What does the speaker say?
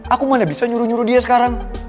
aku mana bisa nyuruh nyuruh dia sekarang